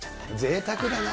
ぜいたくだな。